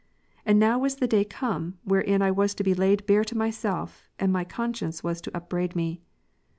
And now was the day come wherein I was to be laid bare to myself, and my conscience was to upbraid me.